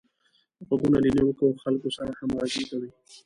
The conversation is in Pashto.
غوږونه له نېکو خلکو سره همغږي کوي